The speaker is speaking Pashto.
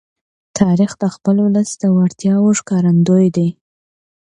تاریخ د خپل ولس د وړتیاو ښکارندوی دی.